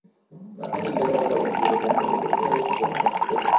প্রাথমিক জিজ্ঞাসাবাদে রবিন বলেছেন, জমির দুই বছর আগে তাঁকে মারধর করতে চেয়েছিলেন।